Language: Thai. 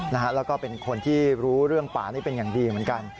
แล้วก็เป็นคนที่รู้เรื่องป่านี่เป็นอย่างดีเหมือนกัน